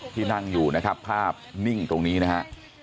ที่นั่งอยู่นะครับภาพนิ่งตรงนี้นะฮะ